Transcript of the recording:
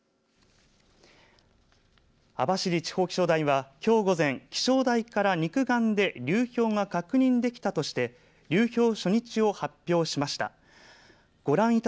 網走地方気象台はきょう午前、気象台から肉眼で流氷が確認できたとして流氷初日を発表しました。